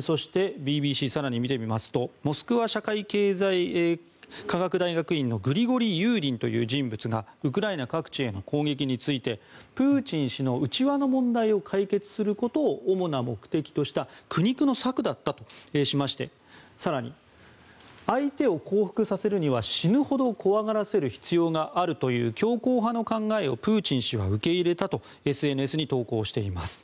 そして、ＢＢＣを更に見てみますとモスクワ社会経済科学大学院のグリゴリー・ユーディンという人物がウクライナ各地への攻撃についてプーチン氏の内輪の問題を解決することを主な目的とした苦肉の策だったとしまして更に、相手を降伏させるには死ぬほど怖がらせる必要があるという強硬派の考えをプーチン氏は受け入れたとＳＮＳに投稿しています。